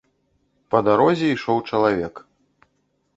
Па дарозе ішоў чалавек.